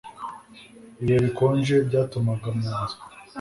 Ibihe bikonje byatumaga mu nzu